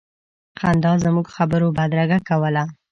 خندا زموږ خبرو بدرګه کوله.